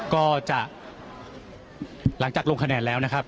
ก็จะหลังจากลงคะแนนแล้วนะครับ